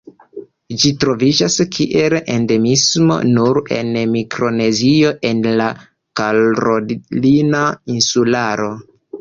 Ĝi troviĝas kiel endemismo nur en Mikronezio en la Karolina insularo.